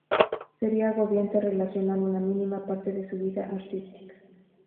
Sería agobiante relacionar una mínima parte de su vida artística.